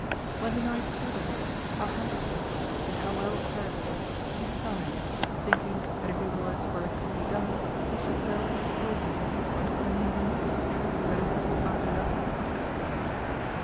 When the knight saw the horse how handsome he was, and how well aparisoned, he sighed, thinking that if he was where it could be done he should well bestow him by sending him to his true friend Angriote of Estravaus.